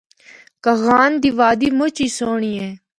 کاغان دی وادی مُچ ہی سہنڑی اے۔